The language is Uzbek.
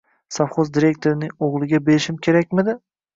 Sovxoz direktorining o‘g‘liga berishim kerakmidi?